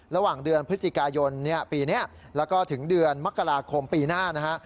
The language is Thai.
ระหว่างเดือนพฤศจิกายนปีนี้แล้วก็ถึงเดือนมกราคมปีหน้านะฮะ